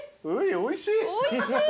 おいしい！